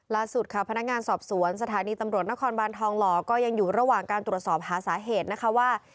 ล่าสุดค่ะพนักงานสอบสวนสถานีตำรวจนครบานทองหล่อก็ยังอยู่ระหว่างการตรวจสอบหาสาเหตุนะคะว่า